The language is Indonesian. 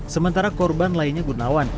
sementara korban lainnya gunawan